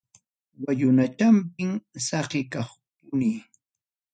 Wallunachampim saqiykapuni.